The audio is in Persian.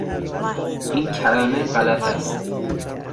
این کلمه غلط است